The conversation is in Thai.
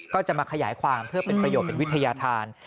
ก็จะมาขยายความเพื่อเป็นประโยชน์เป็นวิทยาธาร